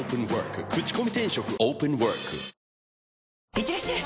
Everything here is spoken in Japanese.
いってらっしゃい！